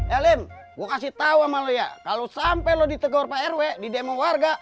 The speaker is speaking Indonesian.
elim gue kasih tahu amalia kalau sampai lo ditegur prw di demo warga